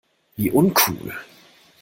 Wie uncool!